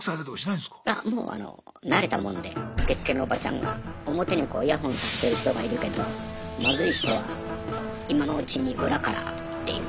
いやもう慣れたもんで受付のおばちゃんが表にイヤホンさしてる人がいるけどマズい人は今のうちに裏からっていう。